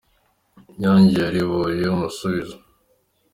Inyange yariboye umusubizo